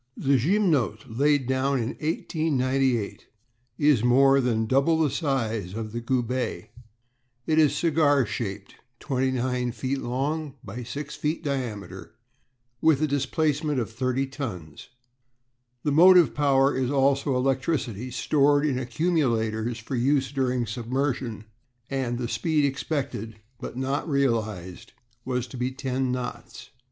The Gymnote, laid down in 1898, is more than double the size of the Goubet; it is cigar shaped, 29 feet long by 6 feet diameter, with a displacement of thirty tons. The motive power is also electricity stored in accumulators for use during submersion, and the speed expected but not realised was to be ten knots.